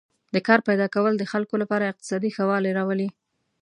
د کار پیدا کول د خلکو لپاره اقتصادي ښه والی راولي.